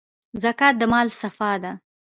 زکات د مال صفا ده.